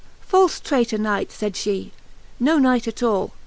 xxv. Falfe traytor Knight, iayd fhe, no Knight at all.